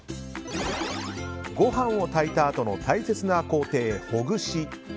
ご飯を炊いたあとの大切な工程ほぐし。